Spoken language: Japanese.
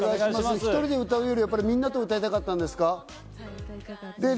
１人で歌うより、みんなと歌いたかったんですか？